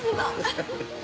ハハハ。